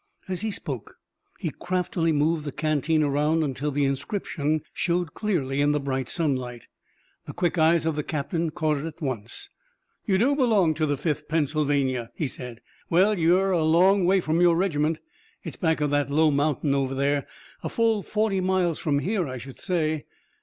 As he spoke he craftily moved the canteen around until the inscription showed clearly in the bright sunlight. The quick eyes of the captain caught it at once. "You do belong to the Fifth Pennsylvania," he said. "Well, you're a long way from your regiment. It's back of that low mountain over there, a full forty miles from here, I should say."